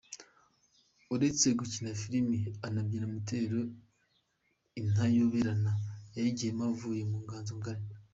Uretse gukina filime anabyina mu itorero Intayoberana yagiyemo avuye mu Nganzo Ngali.